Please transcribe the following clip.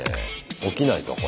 起きないぞこれ。